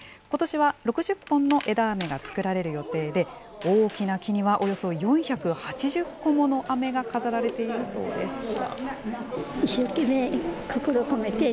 ことしは６０本の枝アメが作られる予定で、大きな木にはおよそ４８０個ものあめが飾られているそうです。